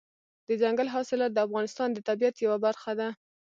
دځنګل حاصلات د افغانستان د طبیعت یوه برخه ده.